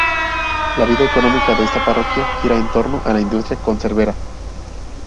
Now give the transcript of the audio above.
La vida económica de esta parroquia gira en torno a la industria conservera.